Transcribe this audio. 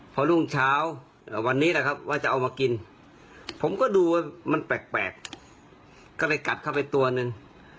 พอรุ่งเช้าวันนี้แหละครับว่าจะเอามากินผมก็ดูว่ามันแปลกก็เลยกัดเข้าไปตัวหนึ่ง